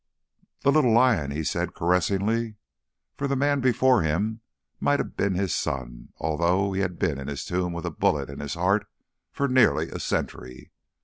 "The little lion," he said caressingly, for the man before him might have been his son, although he had been in his tomb with a bullet in his heart for nearly a century.